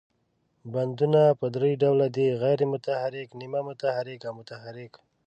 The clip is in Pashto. بندونه په درې ډوله دي، غیر متحرک، نیمه متحرک او متحرک.